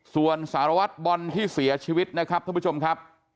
ส่วนสารวัตรบอลที่เสียชีวิตนะครับท่านผู้ชมครับ